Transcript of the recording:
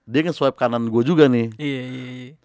dia nge swep kanan gue juga nih